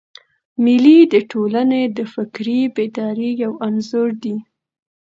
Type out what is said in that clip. مېلې د ټولني د فکري بیدارۍ یو انځور دئ.